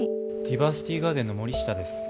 ディバーシティガーデンの森下です。